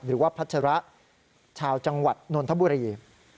พัชระชาวจังหวัดนนทบุรี